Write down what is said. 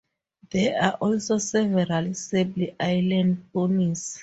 There are also several Sable Island Ponies.